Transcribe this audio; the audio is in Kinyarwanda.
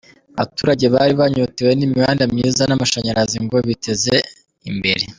Abaturage bari banyotewe n’imihanda myiza n’amashanyarazi ngo biteze imbere.